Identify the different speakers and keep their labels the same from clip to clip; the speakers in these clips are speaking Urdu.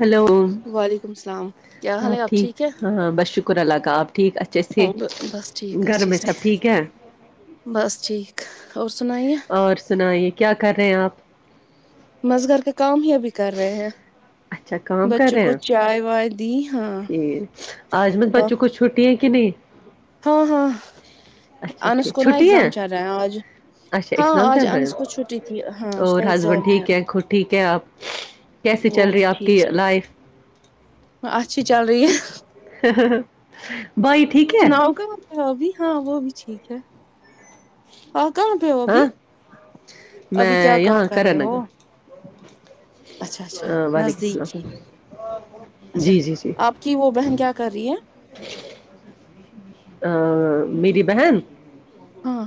Speaker 1: ہلو
Speaker 2: وعلیکم السلام کیا حال ہے
Speaker 1: آپ ٹھیک
Speaker 2: ہے
Speaker 1: ہاں بس شکر اللہ کا آپ ٹھیک اچھے سے
Speaker 2: بس ٹھیک
Speaker 1: گھر
Speaker 2: اچھے
Speaker 1: میں
Speaker 2: سے
Speaker 1: سب ٹھیک ہے
Speaker 2: بس [inaudible]
Speaker 1: اور سنے کیا کر رہے ہیں آپ
Speaker 2: مز گھر کا کام ہی ابھی کر رہے ہیں
Speaker 1: اچھا کام کر
Speaker 2: بچوں
Speaker 1: رہے
Speaker 2: کو
Speaker 1: ہیں
Speaker 2: چائے وائے دی ہاں تو آپ
Speaker 1: کنی
Speaker 2: ہاں ہاں
Speaker 1: اچھا
Speaker 2: انس
Speaker 1: ٹھیک
Speaker 2: کو نا
Speaker 1: چھٹی
Speaker 2: ایگزام
Speaker 1: ہے
Speaker 2: چل رہے ہیں آج
Speaker 1: اچھا
Speaker 2: ہاں
Speaker 1: ایگزام
Speaker 2: آج
Speaker 1: چل رہے
Speaker 2: انس کو
Speaker 1: ہیں
Speaker 2: چھٹی تھی ہاں اس
Speaker 1: اور
Speaker 2: کا
Speaker 1: ہسبینڈ
Speaker 2: ایگزام ہے
Speaker 1: ٹھیک خود ٹھیک ہے آپ کیسے
Speaker 2: وہ
Speaker 1: چل رہی
Speaker 2: بھی
Speaker 1: آپ
Speaker 2: ٹھیک
Speaker 1: کی
Speaker 2: ہے
Speaker 1: لائف
Speaker 2: اچھی چل رہی ہے
Speaker 1: [inaudible] ہے
Speaker 2: سناؤ کا مق وہ بھی ہاں وہ بھی ٹھیک ہے ہاں کہاں پہ ہو
Speaker 1: ہاں
Speaker 2: ابھی ابھی کیا
Speaker 1: میں
Speaker 2: کان
Speaker 1: یہاں
Speaker 2: کر
Speaker 1: کرا
Speaker 2: رہے ہو
Speaker 1: نگر
Speaker 2: اچھا اچھا
Speaker 1: وعلیکم
Speaker 2: نزدیک ہی
Speaker 1: السلام
Speaker 2: اچھا
Speaker 1: جی جی جی
Speaker 2: آپ کی وہ بہن کیا کر رہی ہے
Speaker 1: میری بہن
Speaker 2: ہاں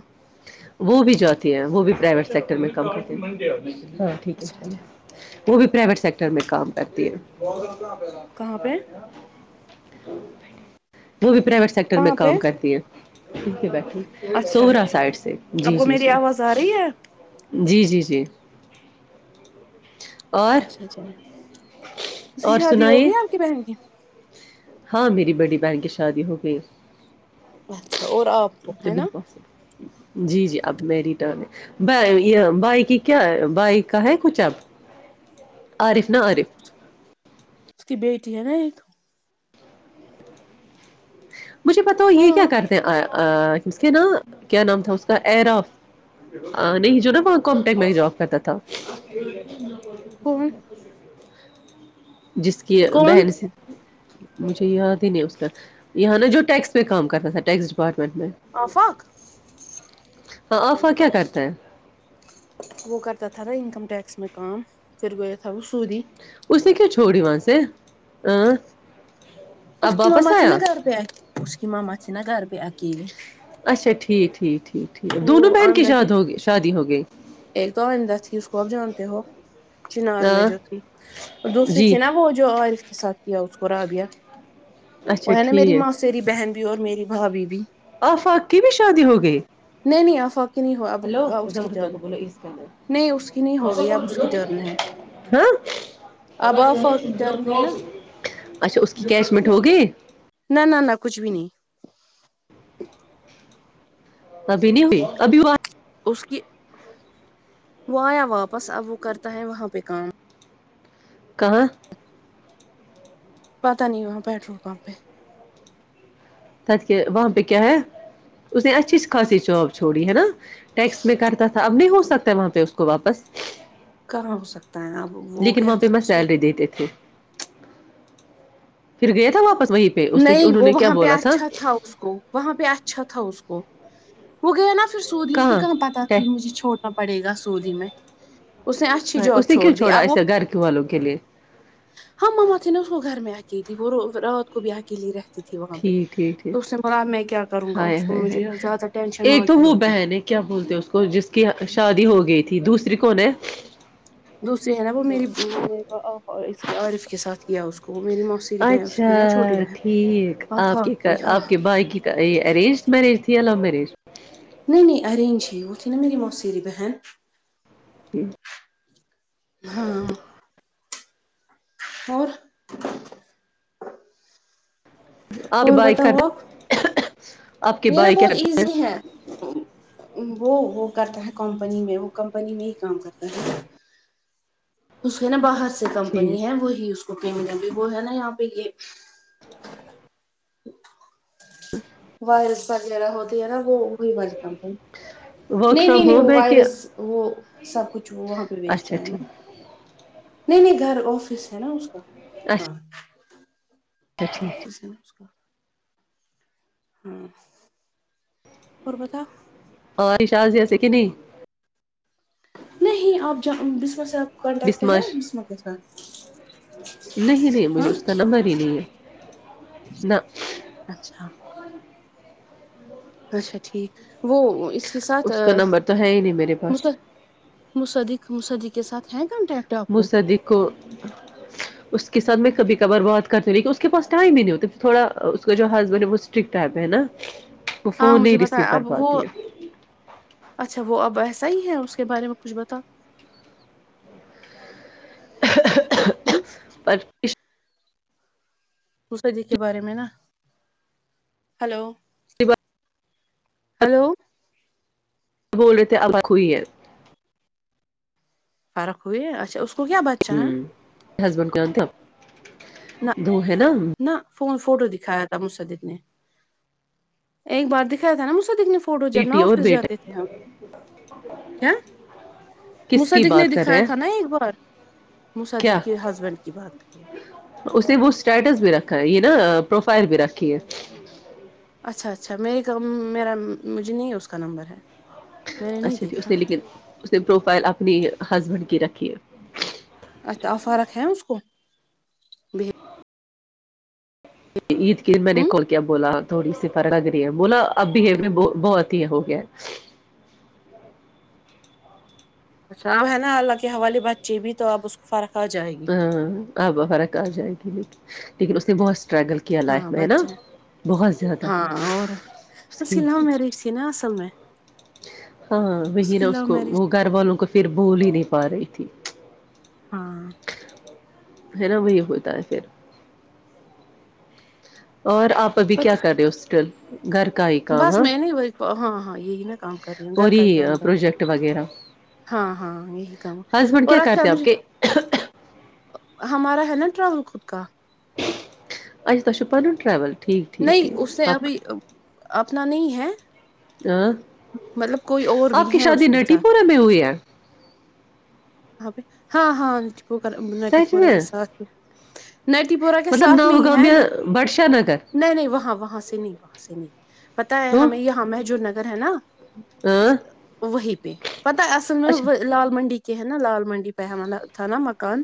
Speaker 1: وہ بھی جاتتی ہیں وہ بھی پرائیویٹ سیکٹر میں کم کرتے ہیں ہاں ٹھیک ہے ان
Speaker 2: اچھا
Speaker 1: شاء
Speaker 2: اچھا
Speaker 1: اللہ وہ بھی پرائیویٹ سیکٹر میں کام کرتی ہے اں پہ
Speaker 2: کہاں پہ
Speaker 1: [inaudible] وہ بھی پرائیویٹ سیکٹر میں
Speaker 2: کہاں پہ
Speaker 1: کام کرتی ہیں ٹھیک ہے بقے
Speaker 2: اچھا
Speaker 1: سووراس
Speaker 2: اچھا
Speaker 1: سائڈ سے
Speaker 2: آپ
Speaker 1: جی
Speaker 2: کو
Speaker 1: جی
Speaker 2: میری آواز آ رہی ہے
Speaker 1: جی جی جی جی [unintelligible]
Speaker 2: اسا چ میںیں ت
Speaker 1: اور
Speaker 2: شادی ہو
Speaker 1: سنائیے
Speaker 2: گی آپ کے بہن کییا
Speaker 1: ہاں میری بڑی بہن کی شادی ہو گئی
Speaker 2: اچھا اور آپ کو
Speaker 1: تو
Speaker 2: ہے
Speaker 1: بھی
Speaker 2: نا
Speaker 1: پاسبل جی جی اب میری ٹرن ہے ب یہ بائک کی کیا بائ کا ہے کچھ اب عارف نہ عارف
Speaker 2: اس کی بیٹی ہے نا ایک
Speaker 1: مجھے پتا ہو یہ کیا
Speaker 2: ہاں
Speaker 1: کرتے ہیں اس کے ن کیا نام تھا اس کا اراف نہیں جو نا وہاں کمٹیکٹ میں ہی جاب کرتا تھا
Speaker 2: کون
Speaker 1: [unintelligible] جس کی
Speaker 2: کون
Speaker 1: بہن سے مجھے یاد ہی نہیں اس کا یہاں نا جو ٹیکس پہ کام کر رہتا تھا ٹیکس ب
Speaker 2: آفق
Speaker 1: ہاں آفا کیا کرتے ہیں
Speaker 2: وہ کر ت تھا انکم ٹییکس میں کام پھر گ تھا سودی
Speaker 1: اس نے کیا چھوڑی وہاں سے ا
Speaker 2: اس کی ماما تھ نا گھر پہ اس کی ماما تھ نا گھر پہ اکیلی
Speaker 1: اچھا ٹھیک ٹھیک ہے ج ٹھیک ہے
Speaker 2: وہ
Speaker 1: دونوں بہن کی
Speaker 2: آئندہ
Speaker 1: شاد ہو گئے شادی ہو گئی
Speaker 2: ایک تو آندھی اس کو اب جانتے ہو چنار میں
Speaker 1: ہاں
Speaker 2: جو ت دوسری
Speaker 1: جی
Speaker 2: تھی نا وہ جو عارف کے ساتھ یا اس کو رابیا
Speaker 1: اچھا
Speaker 2: وہ ہے نا میری
Speaker 1: ٹھیک
Speaker 2: ماسری بہن اور میری بھابھی بھی
Speaker 1: آفاق کی بھی شادی ہو گئی
Speaker 2: نہیں نہیں آ فقت نہیں ہو اب
Speaker 1: ہلو
Speaker 2: اس کی ٹرن
Speaker 1: کو بولو
Speaker 2: نہیں اس کی نہیں ہو گئی اب اس کی ٹرن ہے
Speaker 1: ہاں
Speaker 2: اب آفا کی ٹرن ہے نا
Speaker 1: اچھا اس کی کیش مٹ ہوگی
Speaker 2: نہ نہ نہ کچھ بھی نہیں
Speaker 1: ابھی نہیں ہوئی ابھی وہ
Speaker 2: اس کی وہ آیا واپس اب وہ کرتا ہے وہاں پہ کام
Speaker 1: کہاں
Speaker 2: پتا نہیں وہاں پیٹرول پمپ ہے
Speaker 1: ت کے وہاں پہ کیا ہے اس نے ا چیز کیا خاسی چواب چوڑی ہے نا ٹیکس میں کرتا تھا اب نہیں ہو سکتا وہاں پہ کو واپس
Speaker 2: کراں ہو سکتا ہے اب وہ
Speaker 1: لیکن
Speaker 2: گیا
Speaker 1: وہاں پہ
Speaker 2: تھا
Speaker 1: میں
Speaker 2: نا سو
Speaker 1: سیلری دیتے تھے پھر گئے تھا واپس وہیں پہ اس نے
Speaker 2: نہیں
Speaker 1: انہوں
Speaker 2: وہ
Speaker 1: نے کیا
Speaker 2: وہاں پہ
Speaker 1: بولا
Speaker 2: اچھا تھا اس کو وہاں پہ اچھا تھا اس کو وہ گیا نا پھر پھر سعودی اس کو کہاں پتاہ تھی مجھے چھوڑنا پڑے گا سعودی میں اس نے اچھی جاب
Speaker 1: اس نے
Speaker 2: چھوڑ
Speaker 1: کیوں
Speaker 2: دی
Speaker 1: چھوڑا
Speaker 2: اب وہ
Speaker 1: ایسے گھر کے والوں کے لیے
Speaker 2: ہم مم تھینا اس کو گھر میں آ تھی وہ کو بھی کےلیے رہ تھی وہاں پہ
Speaker 1: ٹھیک ٹھیک
Speaker 2: تو اس
Speaker 1: ٹھیک
Speaker 2: نے بولا اب میں کیا کروں گا
Speaker 1: ہائے
Speaker 2: اس کو
Speaker 1: ہائے ہائے
Speaker 2: مجھے زیادہ ٹینشن
Speaker 1: ایک
Speaker 2: وہاں
Speaker 1: تو
Speaker 2: کی
Speaker 1: وہ
Speaker 2: ہوتی
Speaker 1: بہن ہے کیا بولتے اس کو جس کی شادی ہو گئی تھی دوسری کون ہے
Speaker 2: دوسری ہے نا وہ میری بو عارف کے ساتھ کیا اس کو وہ میری موسیری بہن اس
Speaker 1: اچھا
Speaker 2: کی ہے نا چھوٹی بہن
Speaker 1: ٹھیک آپ
Speaker 2: آفا
Speaker 1: کے
Speaker 2: کی ہاں
Speaker 1: آپ کے بھائی کی یہ ارینجڈ میرج تھی یا لو مریج
Speaker 2: نہیں نہیں ارینج ہی وہ تھی نا میری موسیری بہن
Speaker 1: ج [unintelligible]
Speaker 2: ہاں اور
Speaker 1: آپ کے
Speaker 2: اور
Speaker 1: بھائی
Speaker 2: بتا
Speaker 1: کر
Speaker 2: ہو آپ
Speaker 1: آپ کے
Speaker 2: یہ نا
Speaker 1: بھائی کیا
Speaker 2: بہت
Speaker 1: کرتے
Speaker 2: ایزی ہے وہ وہ کرتا ہے کم کمپنی میں ہی کام کرتا ہے نا بر سے
Speaker 1: ہیں؟
Speaker 2: کمپنی
Speaker 1: ٹھیک
Speaker 2: ہے وہ ہی اس [unintelligible] ک مب بھی وہ ہے نا یہاں پہ یہ
Speaker 1: ہ [unintelligible]
Speaker 2: وائرس وغیرہ ہوتی ہے نا وہ وہی بچتا نہیں
Speaker 1: ورک فرام
Speaker 2: نہیں نہیں
Speaker 1: ہوم
Speaker 2: وہ
Speaker 1: ہے کہ
Speaker 2: وائرس وہ سب کچھ وہ وہاں پہ
Speaker 1: اچھا
Speaker 2: بیچتا ہے نا
Speaker 1: ٹھیک
Speaker 2: نہیں نہیں گھر آفس ہے نا اس کا ہاں
Speaker 1: اچھا ٹھیک
Speaker 2: حفظ ہیں نمسار [unintelligible] ہوں اور پتاہ
Speaker 1: شس جیسے کہ نہیں [unintelligible]
Speaker 2: بسمحپ [unintelligible]
Speaker 1: بسمش نہیں نہیں مجھے
Speaker 2: ہاں
Speaker 1: اس کا نمبر ہی نہیں ہے نہ
Speaker 2: اچھا اچھا ٹھیک وہ اس کے ساتھ
Speaker 1: اس کا نمبر تو ہے ہی نہیں میرے پاس
Speaker 2: مسردی کے سات ہیں
Speaker 1: مسدی کو اس کے ساتھ میں کبھی کبھ بات کرتی ہوں لیکن اس کے پاس ٹائم ہی نہیں ہوتا پھر تھوڑا اس کا جو ہسبینڈ ہے وہ اسٹرکٹ ٹائپ ہے نا وہ
Speaker 2: ہاں
Speaker 1: فون
Speaker 2: مجھے
Speaker 1: نہیں ریسیو
Speaker 2: بتایا
Speaker 1: کر
Speaker 2: اب وہ
Speaker 1: پاتی ہے
Speaker 2: اچھا وہ اب ایسا صحیح ہے اس کے بارے میں کچھ بتا
Speaker 1: پر [unintelligible]
Speaker 2: مسر جی کے بارے میں نا ہلو
Speaker 1: بار
Speaker 2: ہیلو
Speaker 1: وہ بول رہے تھے ابق ہوئی ہے
Speaker 2: فرق ہوئے ہے اچھا اس کو کو کیا بچہ ہے [unintelligible]
Speaker 1: ہسبینڈ کے اندب
Speaker 2: نہ
Speaker 1: دو ہے نا
Speaker 2: نہ فون فوٹو دکھایا تھا مجھ سے دیکھنے ایک بار دکھایا تھا نا مجھ سے دکھنے فوٹو جب نا
Speaker 1: بیٹی اور
Speaker 2: آفس
Speaker 1: بیٹا
Speaker 2: جاتے تھے ہم
Speaker 1: کس کی
Speaker 2: مصدق نے
Speaker 1: بات کر رہے
Speaker 2: دکھایا
Speaker 1: ہیں
Speaker 2: تھا نا ایک بار مصدق کے ہسبینڈ کی بات کر
Speaker 1: اسے وہ اسٹیٹس بھی رکھا ہے یہ نا پروفائل بھی رکھی ہے
Speaker 2: اچھا اچھا میے کا میرا مجھے نہیں اس کا نمبر ہے میں نے نہیں
Speaker 1: اچھا ج اس
Speaker 2: دیکھا
Speaker 1: نے لیکن اس نے پروفائل اپنی ہسبینڈ کی رکھیے
Speaker 2: اچھا آفار ہے اس کو بھی
Speaker 1: عید کی میں نے کول کیا بولا تھوڑی سی لگ رہی ہے بولا اب ب میں ب بہت ہی ہو گیا
Speaker 2: اچھا ا ہے نا اللہ کے حوالے بچے بھی تو اب اس کو فرق آ جائے گی
Speaker 1: ہاں آب فرق آ جائے گی لیکن لیکن اس نے بہت اسٹرگل کیا
Speaker 2: ہاں
Speaker 1: لائف میں ہے نا
Speaker 2: بچے
Speaker 1: بہت زیادہ
Speaker 2: ہاں اور
Speaker 1: اس
Speaker 2: وہ س
Speaker 1: کی
Speaker 2: ل مریج س نا اصل میں
Speaker 1: ہاں وہی
Speaker 2: کی
Speaker 1: نہا اس
Speaker 2: لو
Speaker 1: کو
Speaker 2: میرج
Speaker 1: وہ گھر والوں کو پھر بھول ہی نہیں پا رہی تھی
Speaker 2: ہاں
Speaker 1: ہے نا وہی ہوتا ہے پھر اور آپ ابھی کیا
Speaker 2: پتا
Speaker 1: کر رہے ہو اسٹل گھر کا ہی کام
Speaker 2: بس
Speaker 1: ہاں
Speaker 2: میں نہیں ہاں ہاں یہی ن کام کر رہی ہو گھر
Speaker 1: اور
Speaker 2: کا ہی
Speaker 1: یہ
Speaker 2: کام کر رہی
Speaker 1: پروجیکٹ وغیرہ
Speaker 2: ہاں ہاں یہی کام
Speaker 1: ہسبینڈ کیا
Speaker 2: اور ا چھا
Speaker 1: کرتے آپ
Speaker 2: مجھے
Speaker 1: کے
Speaker 2: ہمارا ہے نہ ٹراول خود کا
Speaker 1: اچھا توہہ چھع پنن ٹریول ٹھیک ٹھیک
Speaker 2: نہیں اس نے
Speaker 1: ٹھیک آپ
Speaker 2: ابھی اب اتنا نہیں ہے مطلب کوئی اور
Speaker 1: آپ
Speaker 2: بھی
Speaker 1: کی
Speaker 2: ہے
Speaker 1: شادی
Speaker 2: اس کے
Speaker 1: نٹی
Speaker 2: ساتھ
Speaker 1: پورہ میں ہوئی ہے
Speaker 2: اب ہاں ہاں پک نٹی
Speaker 1: سچ
Speaker 2: پورہ
Speaker 1: میں
Speaker 2: کے ساتھ نٹی پورا کے
Speaker 1: مطلب
Speaker 2: ساتھ میں
Speaker 1: نام
Speaker 2: ہی ہے
Speaker 1: گامیا بادشاہ نگر
Speaker 2: لیکن نہیں نہیں وہاں وہاں وہاں سے نہیں وہاں سے نہیں پتہ ہے
Speaker 1: تو
Speaker 2: ہمیں یہاں محجور نگر ادھر ہے نا
Speaker 1: ہاں
Speaker 2: وہی پہ پتہ اصل میں
Speaker 1: اچھا
Speaker 2: لال منڈی کے کہ ہےنہ لال منڈی پہ یہاں تھا نا مکان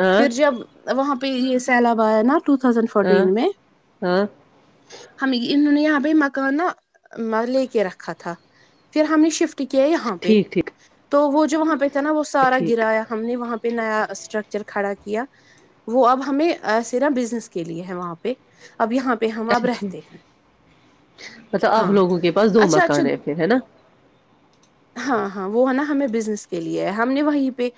Speaker 1: ہاں
Speaker 2: پھر جب وہاں پہ یہ سیلاب آیا نا ٹو تھاؤزینڈ
Speaker 1: ہاں
Speaker 2: فورٹین میں
Speaker 1: ہاں
Speaker 2: ہمیں یہ انہوں نے یہاں بھائی مکانا لے کے رکھا تھا پھر ہم نے شفٹ ٹ کیا یہاں پہ
Speaker 1: ٹھیک ٹھیک
Speaker 2: تو وہ جو وہاں پہ تھا نا وہ سارا
Speaker 1: ٹھیک
Speaker 2: گرایا ہم نے وہاں پہ پہ نیا اسٹرکچر کھڑا کیا وہ اب ہمیں سیرا بزنس کے لیے ہے وہاں پہ اب یہاں پہ ہم اب
Speaker 1: اچھا
Speaker 2: رہتے ہیں
Speaker 1: ٹھیک اچھا آپ
Speaker 2: ہاں
Speaker 1: لوگوں کے پاس دو
Speaker 2: اچھا اچھا
Speaker 1: مکان ہے پھر ہے نا
Speaker 2: ہاں ہاں وہ ہے نا ہمیں بزنس کے لیے ہے ہم نے وہیں پہ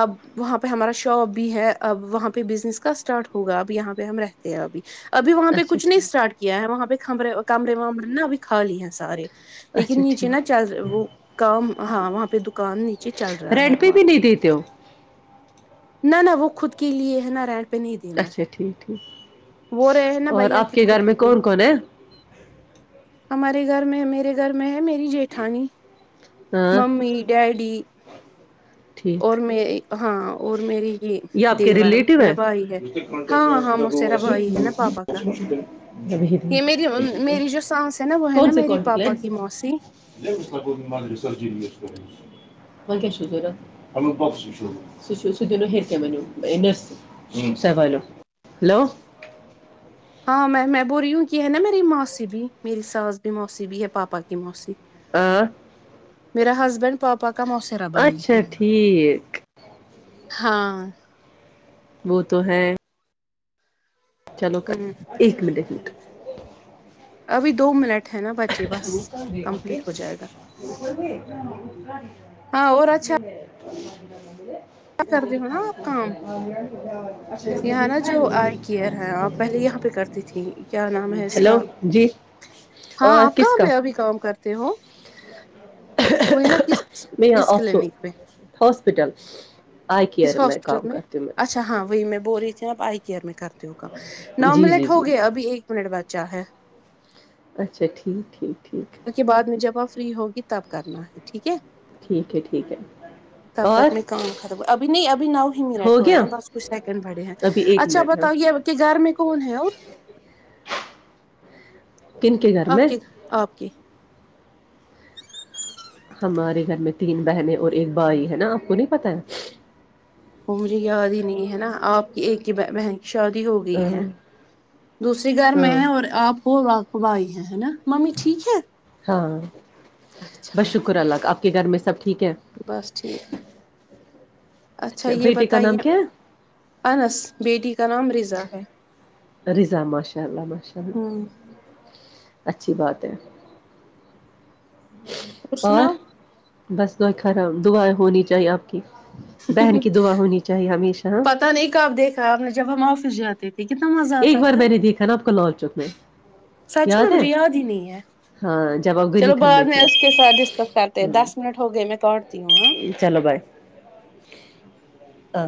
Speaker 2: اب وہاں پہ ہمارا شاپ بھی ہے اب وہاں پہ بزنس کا اسٹارٹ ہوگا اب یہاں پہ ہم رہتے ہیں ابھی ابھی وہاں پہ
Speaker 1: اچھا
Speaker 2: کچھ نہیں
Speaker 1: ٹھیک
Speaker 2: اسٹارٹ کیا ہے وہاں پہ کھمرے کمرے ومرے نہ ابھی کھالی ہیں سارے لیکن
Speaker 1: اچھا
Speaker 2: نیچے نا
Speaker 1: ٹھیک
Speaker 2: چل وہ کام ہاں وہاں پہ دکان نیچے چل رہا ہے
Speaker 1: رینٹ پہ بھی
Speaker 2: ہمارا
Speaker 1: نہیں دیتے ہو
Speaker 2: نہ نہ وہ خود کے لیے ہے نا رینٹ پہ نہیں دینا
Speaker 1: اچھا
Speaker 2: ہے
Speaker 1: ٹھیک ٹھیک
Speaker 2: وہ رہے ہیں نا
Speaker 1: اور
Speaker 2: بھیا
Speaker 1: آپ کے گھر
Speaker 2: خود
Speaker 1: میں
Speaker 2: لیے
Speaker 1: کون کون ہے
Speaker 2: ہمارے گھر میں میرے گھر میں میں میری جیٹھانی
Speaker 1: ہاں
Speaker 2: ممی ڈیڈی ج [inaudible] اور میں ہاں اور میری یہ
Speaker 1: یا آپ کے
Speaker 2: دیور
Speaker 1: ریلیٹو ہے
Speaker 2: میرا بھائی ہاں ہاں موسیرا بھائی ہے نا پاپا کا
Speaker 1: گے
Speaker 2: یہ میری میری جو سانس ہے نا وہ ہے
Speaker 1: کون
Speaker 2: نا
Speaker 1: سے ک
Speaker 2: میری پاپا کی موسی
Speaker 1: ت س سالو ہلو
Speaker 2: ہاں میں میں بول رہی ہوں کہ ہے نا میری ماسی بھی میری ساس بھی ماسی بھی ہے پاپا کی ماسی
Speaker 1: آ [unintelligible]
Speaker 2: میرا ہسبینڈ پاپا کا موسیرا بھائی
Speaker 1: اچھا
Speaker 2: ہے
Speaker 1: ٹھیک
Speaker 2: ہاں
Speaker 1: وہ تو ہے چلو
Speaker 2: ہوں
Speaker 1: ایک منٹ ہی
Speaker 2: ابھی دو ملٹ
Speaker 1: [inaudible]
Speaker 2: جائے گا
Speaker 1: ان بے
Speaker 2: ہاں اور اچھا
Speaker 1: [inaudible] ک
Speaker 2: کرتے ہو نا آپ
Speaker 1: آ
Speaker 2: کام
Speaker 1: [inaudible]
Speaker 2: یہاں نا جو آئی کیئر ہے آپ پہلے یہاں پہ کرتی تھی کیا نام ہے اس کا
Speaker 1: ہیلو جی آ،
Speaker 2: ہاں آپ
Speaker 1: کس
Speaker 2: کہاں
Speaker 1: کا
Speaker 2: پہ ابھی کام کرتے ہو وہی نا کس
Speaker 1: میں یہاں
Speaker 2: ک
Speaker 1: آف تو
Speaker 2: کلینک پہ
Speaker 1: ہاسپٹل آئی
Speaker 2: کس
Speaker 1: کیئر
Speaker 2: ہاسپٹل
Speaker 1: کام
Speaker 2: میں
Speaker 1: کرتی ہوں
Speaker 2: اچھا ہاں وہی میں گوری چاہ پ آئیی کر د ہوگا نو
Speaker 1: جی
Speaker 2: منٹ
Speaker 1: جی
Speaker 2: ہو
Speaker 1: جی
Speaker 2: گئے ابھی ایک منٹ بعد چاہے
Speaker 1: اچھا ٹھیک ٹھیک
Speaker 2: اس کے بعد میں جب آپ فری ہوگی تب کرنا ہے ٹھیک ہے
Speaker 1: ٹھیک ٹھیک ہے ٹھیک ہے
Speaker 2: تب
Speaker 1: اور
Speaker 2: تک میں کام ختم ابھی نہیں ابھی نو ہی
Speaker 1: ہو
Speaker 2: منٹ ہوئے
Speaker 1: گیا
Speaker 2: ہیں بس کچھ سیکنڈ بڑے ہیں
Speaker 1: ابھی ایک
Speaker 2: اچھا
Speaker 1: منٹ ہے
Speaker 2: بتاؤ یہ کہ گھر میں کون ہے اور
Speaker 1: کن گھر
Speaker 2: آپ
Speaker 1: میں
Speaker 2: کے آپ کے
Speaker 1: ہمارے گھر میں تین بہنیں اور ایک بھائی ہے نا آپ کو نہیں پتا ہے
Speaker 2: وہ مجھے یاد ہی نہیں ہے نا آپ کی ایک ہی بہن کی شادی ہو گئی ہے دوسری گار میں
Speaker 1: ہاں
Speaker 2: اور آپ کو وق وائی ہے نا ممی ٹھیک ہے
Speaker 1: ہاں بس
Speaker 2: اچھا
Speaker 1: شکر اللہ کا آپ کے گھر میں سب ٹھیک ہے
Speaker 2: بس ٹھیک اچھا یہ
Speaker 1: بیٹے کا
Speaker 2: بتائیے
Speaker 1: نام کیا ہے
Speaker 2: انس بیٹی کا اس کا نام رضا ہے
Speaker 1: رضا ماشاء اللہ ماشاء اللہ
Speaker 2: ہوں
Speaker 1: اچھی بات ہے
Speaker 2: اور سناؤ
Speaker 1: بس دعائی خراب دعائیں ہونی چاہیے آپ کی بہن کی دعا ہونی چاہیے ہمیشہ ہاں
Speaker 2: پت نہیں کہب دیکھا آپ نے جب ہم آ زاتد
Speaker 1: ایک بار میں نے دیکھا نا آپ کو لال چوک میں
Speaker 2: سچ میں مجھے یاد ہی نہیں ہے
Speaker 1: ہاں جب آپ گنی
Speaker 2: چلو
Speaker 1: کھن
Speaker 2: بعد میں اس کے ساتھ ڈسٹر کرتے
Speaker 1: تھی
Speaker 2: دس منٹ ہو گئے میں کرتی ہوں ہاں
Speaker 1: ہ